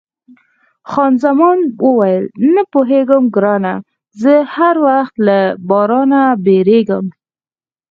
خان زمان وویل، نه پوهېږم ګرانه، زه هر وخت له بارانه بیریږم.